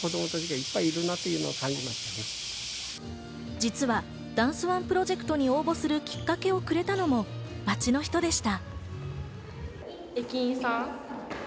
実はダンスＯＮＥプロジェクトに応募するきっかけをくれたのも街の人でした。